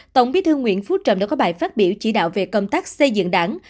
tổng bí thư nguyễn phú trọng đã có bài phát biểu chỉ đạo về công tác xây dựng đảng